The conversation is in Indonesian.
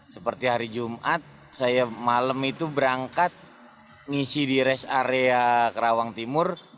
seperti hari jumat saya malam itu berangkat ngisi di rest area kerawang timur